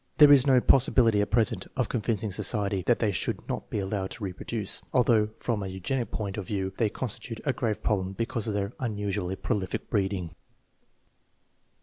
There is no possibility at present of convincing society that they should not be allowed to reproduce, although from a eugenic point of view they constitute a grave prob lem because of their unusually prolific breeding.